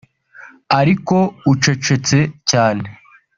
ariko ucecetse cyane